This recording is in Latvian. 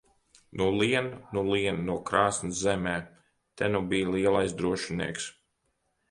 Nu, lien nu lien no krāsns zemē! Te nu bij lielais drošinieks!